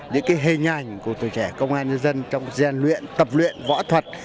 những hình ảnh của tuổi trẻ công an nhân dân trong gian luyện tập luyện võ thuật